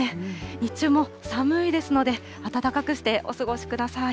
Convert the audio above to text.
日中も寒いですので、暖かくしてお過ごしください。